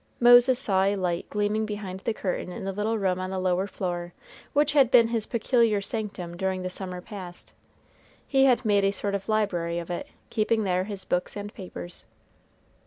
Moses saw a light gleaming behind the curtain in the little room on the lower floor, which had been his peculiar sanctum during the summer past. He had made a sort of library of it, keeping there his books and papers.